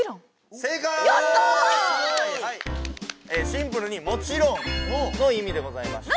シンプルに「もちろん」のいみでございました。